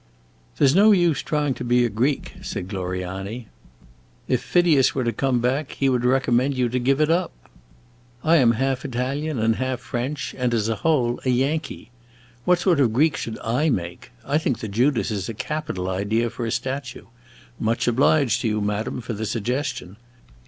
"There 's no use trying to be a Greek," said Gloriani. "If Phidias were to come back, he would recommend you to give it up. I am half Italian and half French, and, as a whole, a Yankee. What sort of a Greek should I make? I think the Judas is a capital idea for a statue. Much obliged to you, madame, for the suggestion.